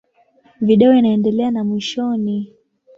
Video inaendelea na mwishoni.